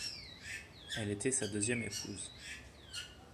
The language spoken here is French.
Elle était sa deuxième épouse.